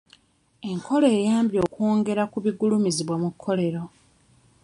Enkola eyambye okwongera ku bigulumizibwa mu kkolero.